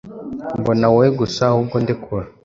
mbona wowe gusa ahubwo ndekura